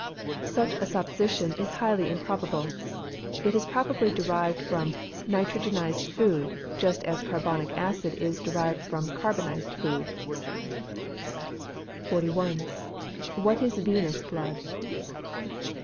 _ Such a supposition is highly improbable. It is probably derived from nitrogenised food, just as carbonic acid is derived from carbonised food. 41. _What is venous blood?